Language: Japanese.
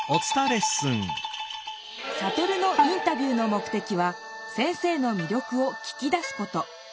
サトルのインタビューの目的は先生のみりょくを聞き出すこと。